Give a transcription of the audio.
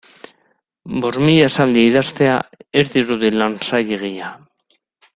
Bost mila esaldi idaztea ez dirudi lan zailegia.